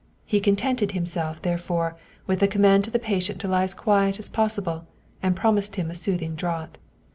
He contented himself, therefore, with the command to the patient to lie as quiet as possible, and promised him a soothing draught.